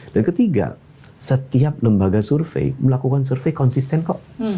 dan ketiga setiap lembaga survei melakukan survei konsisten kok